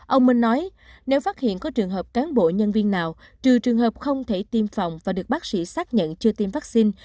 ông minh nói nếu phát hiện có trường hợp cán bộ nhân viên nào trừ trường hợp không thể tiêm phòng và được bác sĩ xác nhận chưa tiêm vaccine